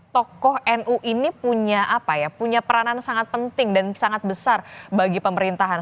tokoh nu ini punya peranan sangat penting dan sangat besar bagi pemerintahan